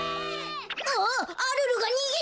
あっアルルがにげちゃう！